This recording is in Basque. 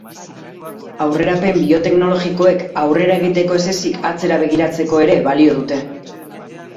Aurrerapen bioteknologikoek aurrera egiteko ez ezik atzera begiratzeko ere balio dute.